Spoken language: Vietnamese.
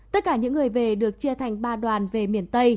tất cả những người về được chia thành ba đoàn về miền tây